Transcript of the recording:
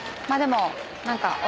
「まあでも何か」